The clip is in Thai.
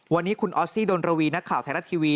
วันนี้คุณออสซี่ดนรวีนักข่าวไทยรัฐทีวี